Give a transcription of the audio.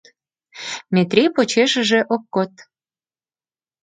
Метрий почешыже ок код.